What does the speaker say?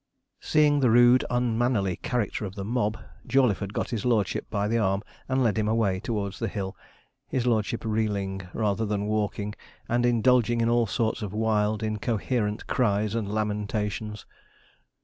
Seeing the rude, unmannerly character of the mob, Jawleyford got his lordship by the arm, and led him away towards the hill, his lordship reeling, rather than walking, and indulging in all sorts of wild, incoherent cries and lamentations.